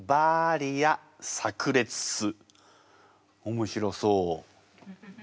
面白そう。